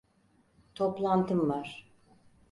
Toplantım var.